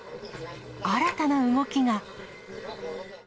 新たな動きが。